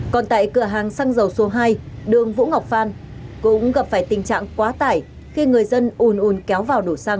còn tại cửa hàng xăng dầu số hai đường vũ ngọc phan cũng gặp phải tình trạng quá tải khi người dân un ùn kéo vào đổ xăng